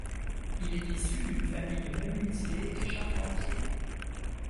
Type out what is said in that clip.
Il est issu d'une famille de menuisiers et charpentiers.